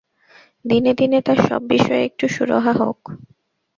দিনে দিনে তাঁর সব বিষয়ে একটু সুরাহা হোক।